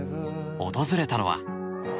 訪れたのは。